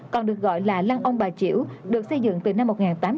còn được gọi là lăng ông bà chiểu được xây dựng từ năm một nghìn tám trăm tám mươi